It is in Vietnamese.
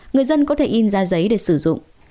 người dân có thể in ra giấy để sử dụng